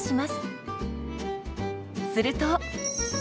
すると。